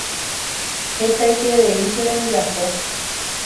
Hetaiterei che rembiapo.